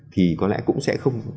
thì có lẽ cũng sẽ không